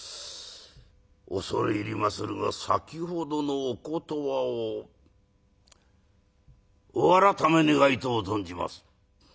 「恐れ入りまするが先ほどのお言葉をお改め願いとう存じます」。